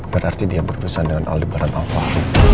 berarti dia berurusan dengan aldi barat alpah